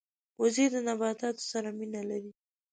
وزې د نباتاتو سره مینه لري